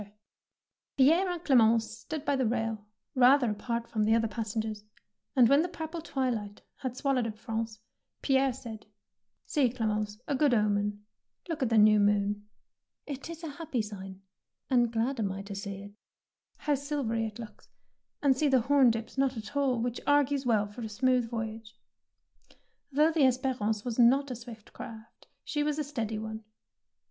152 THE PEARL NECKLACE Pierre and Clemence stood by the rail, rather apart from the other pas sengers, and when the purple twilight had swallowed up Prance, Pierre said, —" See, Clemence, a good omen. Look at the new moon." "It is a happy sign, and glad am I to see it. How silvery it looks, and see the horn dips not at all, which argues well for a smooth voyage.'^ Though the "Esperance^^ was not a swift craft, she was a steady one.